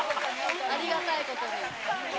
ありがたいことに。